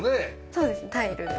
そうですねタイルで。